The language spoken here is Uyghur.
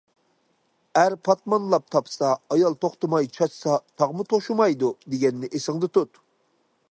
‹‹ ئەر پاتمانلاپ تاپسا، ئايال توختىماي چاچسا، تاغمۇ توشىمايدۇ›› دېگەننى ئېسىڭدە تۇت.